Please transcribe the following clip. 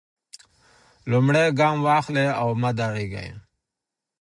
لومړی ګام واخلئ او مه درېږئ.